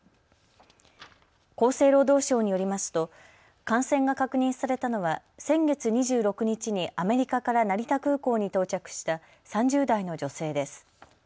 厚生労働省によりますと感染が確認されたのは先月２６日にアメリカから成田空港に到着した３０代の女性です。